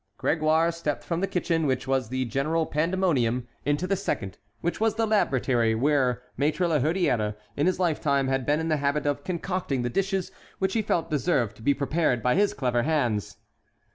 Grégoire stepped from the first kitchen, which was the general pandemonium, into the second, which was the laboratory where Maître La Hurière in his life time had been in the habit of concocting the dishes which he felt deserved to be prepared by his clever hands.